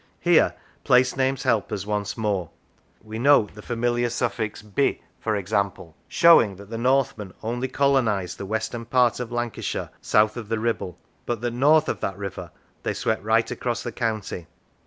Here place names help us once more (we note the familiar suffix "by," for example), showing that the Northmen only colonised the western part of Lanca shire south of the Kibble, but that north of that river they swept right across the county.